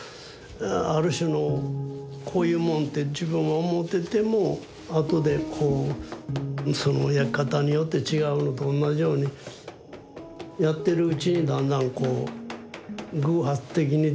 ある種のこういうもんって自分は思っててもあとでこうその焼き方によって違うのとおんなじようにやってるうちにだんだんこう偶発的に出てくる。